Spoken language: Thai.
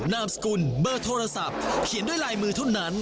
นามสกุลเบอร์โทรศัพท์เขียนด้วยลายมือเท่านั้น